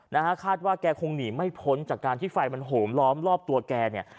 นะฮะคาดว่าแกคงหนีไม่พ้นจากการที่ไฟมันโหมล้อมรอบตัวแกเนี่ย